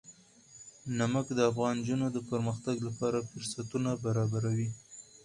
نمک د افغان نجونو د پرمختګ لپاره فرصتونه برابروي.